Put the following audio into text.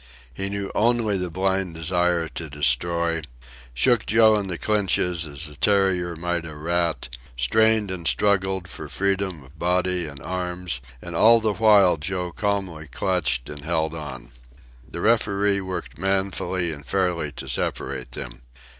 He knew only the blind desire to destroy, shook Joe in the clinches as a terrier might a rat, strained and struggled for freedom of body and arms, and all the while Joe calmly clutched and held on. The referee worked manfully and fairly to separate them.